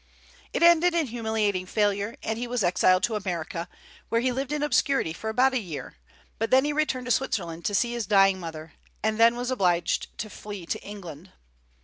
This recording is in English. It ended in humiliating failure, and he was exiled to America, where he lived in obscurity for about a year; but he returned to Switzerland to see his dying mother, and then was obliged to flee to England.